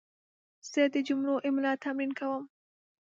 زه د جملو املا تمرین کوم.